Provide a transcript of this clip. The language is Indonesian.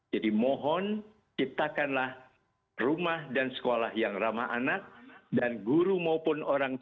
jadi mohon ciptakanlah rumah dan sekolah yang ramah anak dan guru maupun orang tua